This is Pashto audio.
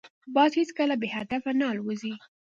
باز هیڅکله بې هدفه نه الوزي